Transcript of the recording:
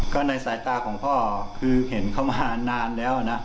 ก็ในสายตาของพ่อคือเห็นเขามานานแล้วนะ